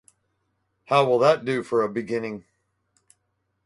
How will that do for a beginning?